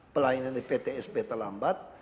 pelayanan di ptsp terlambat